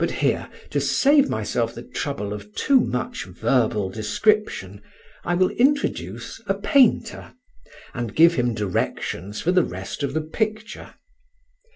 But here, to save myself the trouble of too much verbal description, I will introduce a painter, and give him directions for the rest of the picture.